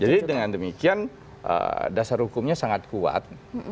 jadi dengan demikian dasar hukumnya sangat kuat